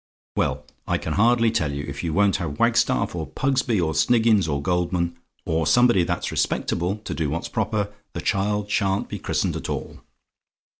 "Well, I can hardly tell you, if you won't have Wagstaff, or Pugsby, or Sniggins, or Goldman, or somebody that's respectable, to do what's proper, the child sha'n't be christened at all.